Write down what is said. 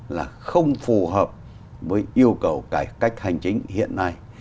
là không phù hợp với yêu cầu cải cách hành chính hiện nay